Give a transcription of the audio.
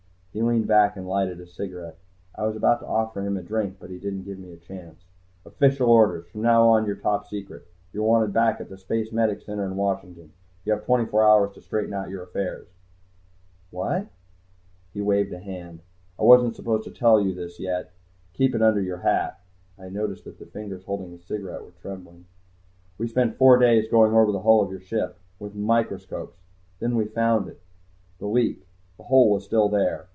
He leaned back and lighted a cigarette. I was about to offer him a drink, but he didn't give me a chance. "Official orders. From now on, you're Top Secret. You're wanted back at the Spacemedic Center in Washington. You have twenty four hours to straighten out your affairs." "What?" He waved a hand. "I wasn't supposed to tell you this yet. Keep it under your hat." I noticed that the fingers holding his cigarette were trembling. "We spent four days going over the hull of your ship with microscopes. Then we found it. The leak. The hole was still there.